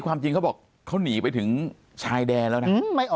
ปากกับภาคภูมิ